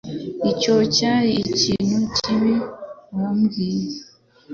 Icyo cyari ikintu kibi wabwiye .